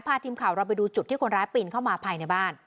พาทีมข่าวเราไปดูจุดที่คนร้ายปีนเข้ามาภายในบ้าน